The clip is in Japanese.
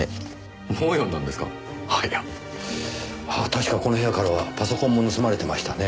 確かこの部屋からはパソコンも盗まれてましたね。